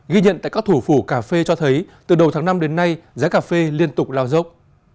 ghi nhận tại các thủ phủ cà phê cho thấy từ đầu tháng năm đến nay giá cà phê liên tục lao dốc